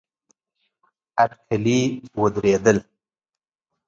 اټکلي ودرېدل.